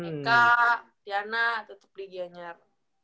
tiana tetep di giyanyar